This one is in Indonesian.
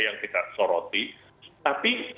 yang kita soroti tapi